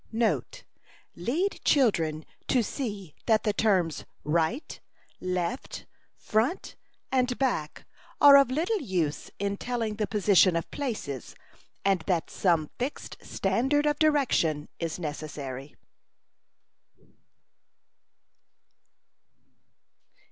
NOTE. Lead children to see that the terms right, left, front, and back are of little use in telling the position of places, and that some fixed standard of direction is necessary.